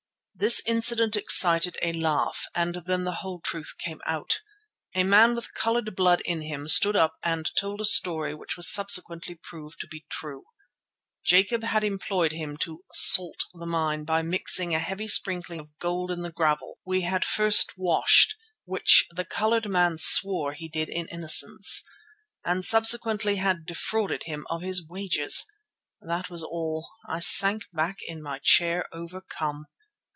This incident excited a laugh, and then the whole truth came out. A man with coloured blood in him stood up and told a story which was subsequently proved to be true. Jacob had employed him to "salt" the mine by mixing a heavy sprinkling of gold in the gravel we had first washed (which the coloured man swore he did in innocence), and subsequently had defrauded him of his wages. That was all. I sank back in my chair overcome.